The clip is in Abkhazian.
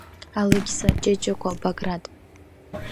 Алықьса, Ҷыҷыкәа, Баграт.